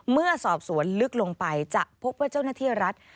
เมื่อสอบสวนลึกลงไปจะพบว่าเจ้าหน้าที่รัฐ